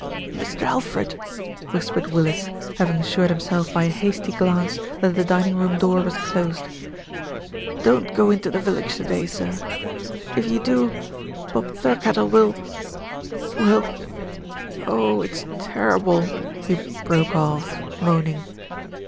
"Mr. Alfred," whispered Willis, having assured him self by a hasty glance that the dining room door was closed. "Don't go into the village to day, sir. If you do, Bob Thirkettle will, will Oh! it's terrible," he broke off, moaning.